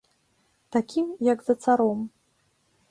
Такім, як за царом.